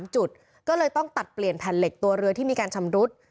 จุดก็เลยต้องตัดเปลี่ยนแผ่นเหล็กตัวเรือที่มีการชำรุด